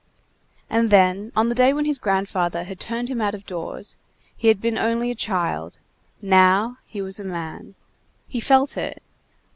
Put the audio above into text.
And then, on the day when his grandfather had turned him out of doors, he had been only a child, now he was a man. He felt it.